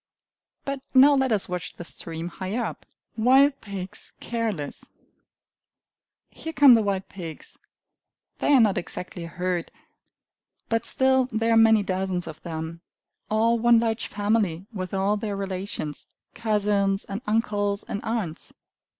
But now let us watch the stream higher up. Wild Pigs Careless Here come the wild pigs. They are not exactly a herd; but still there are many dozens of them, all one large family with all their relations cousins and uncles and aunts.